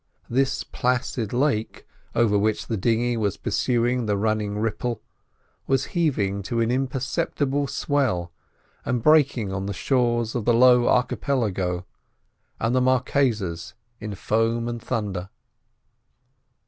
This placid lake, over which the dinghy was pursuing the running ripple, was heaving to an imperceptible swell and breaking on the shores of the Low Archipelago, and the Marquesas in foam and thunder.